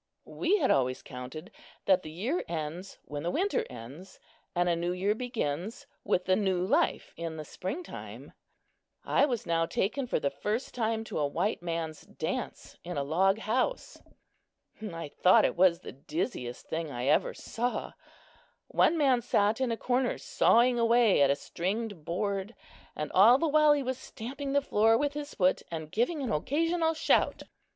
We had always counted that the year ends when the winter ends, and a new year begins with the new life in the springtime. I was now taken for the first time to a white man's dance in a log house. I thought it was the dizziest thing I ever saw. One man sat in a corner, sawing away at a stringed board, and all the while he was stamping the floor with his foot and giving an occasional shout.